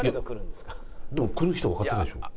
でも来る人はわかってるんでしょ？